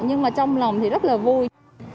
nhưng mà trong lòng thì rất là vui